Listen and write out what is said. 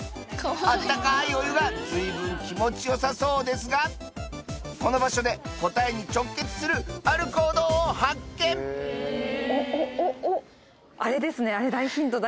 温かいお湯が随分気持ちよさそうですがこの場所で答えに直結するある行動を発見おっおっおっおっあれですね。